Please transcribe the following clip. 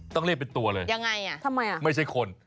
ต้องเรียกเป็นตัวเลยยังไงอ่ะทำไมอ่ะไม่ใช่คน